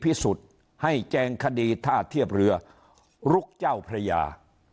พิสูจน์ให้แจงคดีท่าเทียบเรือลุกเจ้าพระยา